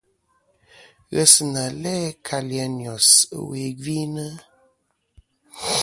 Ghesina læ kalì a Nyos ɨwe gvi nɨ̀.